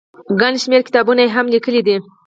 ګڼ شمېر کتابونه هم ليکلي دي